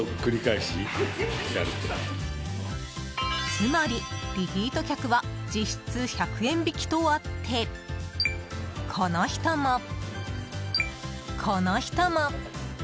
つまりリピート客は実質１００円引きとあってこの人も、この人も。